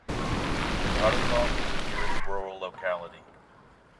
Tarasov is the nearest rural locality.